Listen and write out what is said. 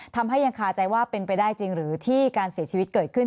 ทำให้ยังคาใจว่าเป็นไปได้จริงหรือที่การเสียชีวิตเกิดขึ้น